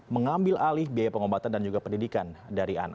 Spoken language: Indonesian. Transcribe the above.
mengambil alih biaya pengobatan dan juga pendidikan dari anak